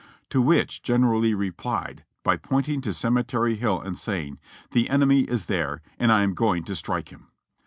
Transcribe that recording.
To which General Lee replied by pointing to Cemetery Hill and saying: 'The enemy is there, and I am going to strike him.'